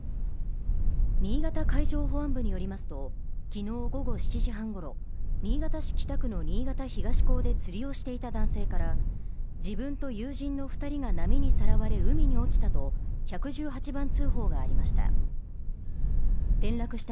新潟海上保安部によりますと、昨日午後７時半ごろ、新潟市北区の新潟東港で釣りをしていた男性から自分と友人の２人が波にさらわれ海に落ちたと１１８番通報がありました。